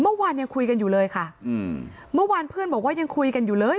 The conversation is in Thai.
เมื่อวานยังคุยกันอยู่เลยค่ะอืมเมื่อวานเพื่อนบอกว่ายังคุยกันอยู่เลย